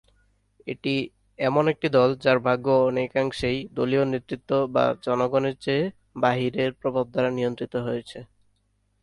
এটি এমন একটি দল যার ভাগ্য অনেকাংশেই দলীয় নেতৃত্ব বা জনগণের চেয়ে বাহিরের প্রভাব দ্বারা নিয়ন্ত্রিত হয়েছে।